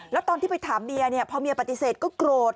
แล้วตอนที่ไปถามเมียพอเมียปฏิเสธก็โกรธ